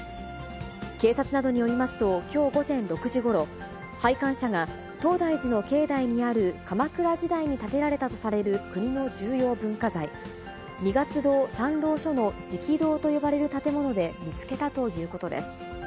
警察などによりますと、きょう午前６時ごろ、拝観者が東大寺の境内にある鎌倉時代に建てられたとされる国の重要文化財、二月堂参籠所の食堂と呼ばれる建物で見つけたということです。